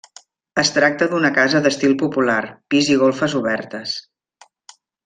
Es tracta d'una casa d'estil popular, pis i golfes obertes.